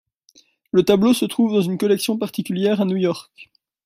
Le tableau se trouve dans une collection particulière à New-York.